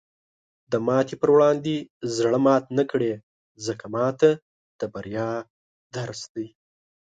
د ماتې په وړاندې زړۀ مات نه کړه، ځکه ماتې د بریا درس دی.